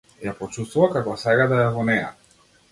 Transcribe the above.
Ја почувствува како сега да е во неа.